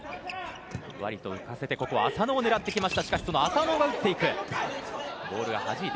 ふわりと浮かせて麻野を狙っていきました。